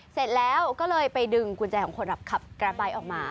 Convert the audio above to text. เสร็จแล้วก็เลยไปดึงกุญแจของคนขับกระบายออกมา